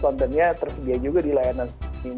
kontennya tersedia juga di layanan